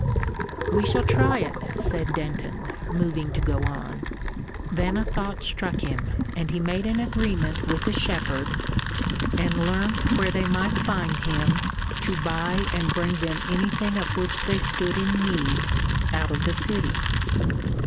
"We shall try it," said Denton, moving to go on. Then a thought struck him, and he made an agreement with the shepherd, and learnt where they might find him, to buy and bring them anything of which they stood in need, out of the city.